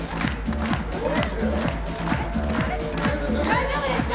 大丈夫ですか？